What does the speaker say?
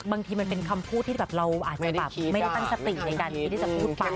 บางทีมันเป็นคำพูดที่แบบเราอาจจะแบบไม่ได้ตั้งสติในการที่จะพูดไป